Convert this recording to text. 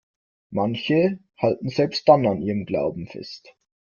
Manche halten selbst dann an ihrem Glauben fest.